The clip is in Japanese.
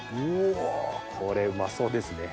これうまそうですね。